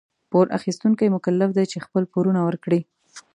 پور اخيستونکي مکلف دي چي خپل پورونه ورکړي.